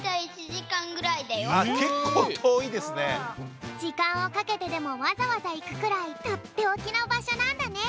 じかんをかけてでもわざわざいくくらいとっておきのばしょなんだね！